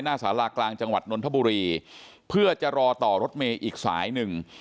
สารากลางจังหวัดนนทบุรีเพื่อจะรอต่อรถเมย์อีกสายหนึ่ง